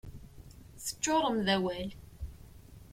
Teččurem d awal.